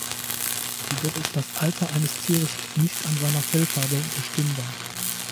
Jedoch ist das Alter eines Tieres nicht an seiner Fellfarbe bestimmbar.